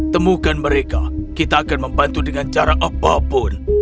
temukan mereka kita akan membantu dengan cara apapun